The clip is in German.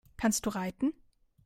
Kannst du reiten?